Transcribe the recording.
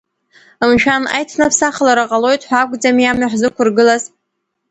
Мшәан, аиҭныԥсахлара ҟалоит ҳәа акәӡами амҩа ҳзықәыргалаз?